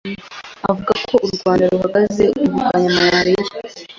Avuga uko u Rwanda ruhagaze mu kurwanya malaria,